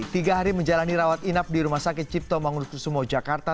tiga hari menjalani rawat inap di rumah sakit cipto mangunkusumo jakarta